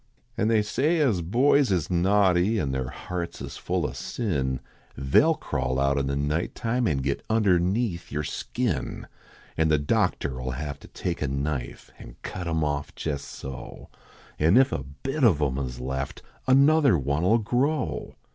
An they say as boys is naughty, An their hearts is full o sin They ll crawl out in the night time An get underneath yer skin, An the doctor 11 have to take a knife An cut em off jes so, An if a bit of em is left Another one 11 grow.